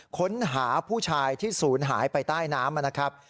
ค้นหาผู้ชายที่ศูนย์หายไปใต้น้ำนะครับ